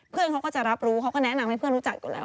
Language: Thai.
เพื่อนเขาก็จะรับรู้เขาก็แนะนำให้เพื่อนรู้จักอยู่แล้ว